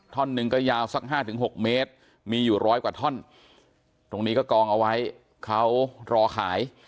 ท่อนหนึ่งก็ยาวสัก๕๖เมตรมีอยู่ร้อยกว่าท่อนตรงนี้ก็กองเอาไว้เขารอขาย